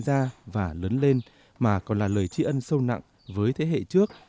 ông sinh ra và lớn lên mà còn là lời tri ân sâu nặng với thế hệ trước